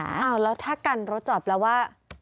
อ้าวแล้วถ้ากันรถจอดแล้วว่า